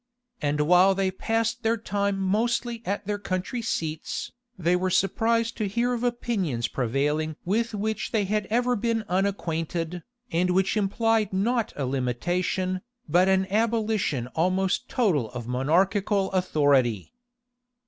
And while they passed their time mostly at their country seats, they were surprised to hear of opinions prevailing with which they had ever been unacquainted, and which implied not a limitation, but an abolition almost total of monarchical authority.